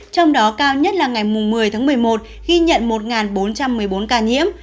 trong đó cao nhất là ngày một mươi tháng một mươi một ghi nhận một bốn trăm một mươi bốn ca nhiễm